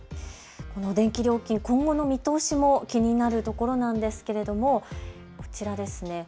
電気料金、今後の見通しも気になるところなんですけれどもこちらですね。